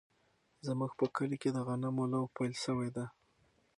زموږ په کلي کې د غنمو لو پیل شوی دی.